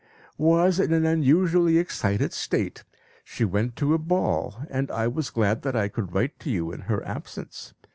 "...¬Ýwas in an unusually excited state. She went to a ball, and I was glad that I could write to you in her absence.